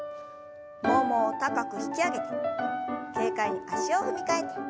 ももを高く引き上げて軽快に足を踏み替えて。